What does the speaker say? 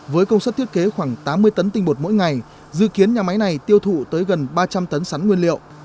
với công suất thiết kế khoảng tám mươi tấn tinh bột mỗi ngày dự kiến nhà máy này tiêu thụ tới gần ba trăm linh tấn sắn nguyên liệu